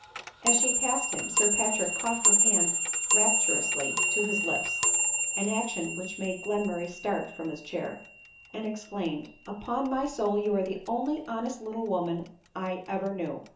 As she passed him, Sir Patrick caught her hand rap turously to his lips, (an action which made Glenmurray start from his chair,) and exclaimed, " upon my soul, you are the only honest little woman I ever knew